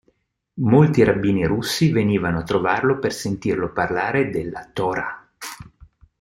Molti rabbini russi venivano a trovarlo per sentirlo parlare della Torah.